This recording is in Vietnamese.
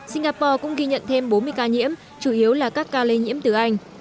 singapore cũng ghi nhận thêm bốn mươi ca nhiễm chủ yếu là các ca lây nhiễm từ anh